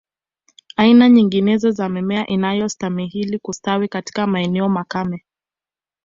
Aina nyinginezo za mimea inayostahimili kustawi katika maeneo makame